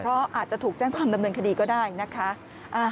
เพราะอาจจะถูกแจ้งความดำเนินคดีก็ได้นะคะ